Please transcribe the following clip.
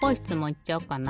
いっちゃおうかな。